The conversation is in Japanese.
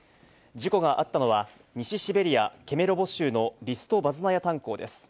事故があったのは、西シベリア・ケメロボ州のリストヴァズナヤ炭鉱です。